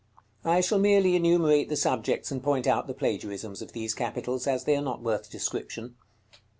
I shall merely enumerate the subjects and point out the plagiarisms of these capitals, as they are not worth description.